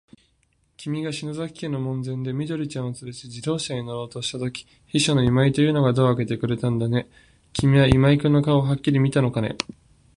きみが篠崎家の門前で、緑ちゃんをつれて自動車に乗ろうとしたとき、秘書の今井というのがドアをあけてくれたんだね。きみは今井君の顔をはっきり見たのかね。